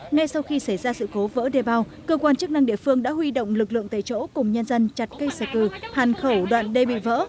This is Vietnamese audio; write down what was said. ngay sau khi xảy ra sự cố vỡ đê bao cơ quan chức năng địa phương đã huy động lực lượng tại chỗ cùng nhân dân chặt cây xe cư hàn khẩu đoạn đê bị vỡ